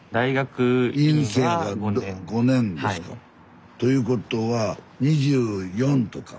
院生やから５年ですか。ということは２４とか？